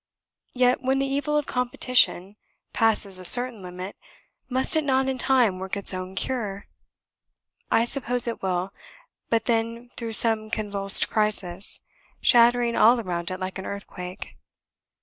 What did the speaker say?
Yet, when the evil of competition passes a certain limit, must it not in time work its own cure? I suppose it will, but then through some convulsed crisis, shattering all around it like an earthquake.